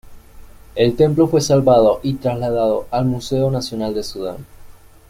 El templo fue salvado y trasladado al Museo nacional de Sudán.